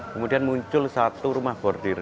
kemudian muncul satu rumah bordir